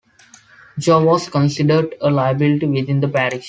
Joe was considered a liability within the parish.